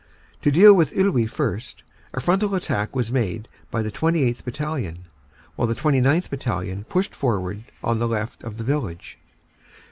To deal with Iwuy first. A frontal attack was made by the 28th. Battalion, while the 29th. Battalion pushed forward on the left of the village.